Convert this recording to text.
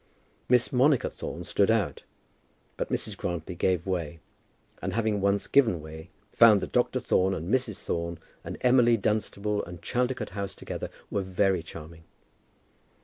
Miss Monica Thorne stood out, but Mrs. Grantly gave way, and having once given way found that Dr. Thorne, and Mrs. Thorne, and Emily Dunstable, and Chaldicote House together, were very charming.